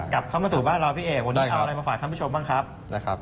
กลับเข้ามาสู่บ้านเราพี่เอกวันนี้เอาอะไรมาฝากท่านผู้ชมบ้างครับนะครับ